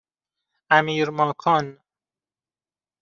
امیرماکان